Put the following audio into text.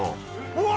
うわ！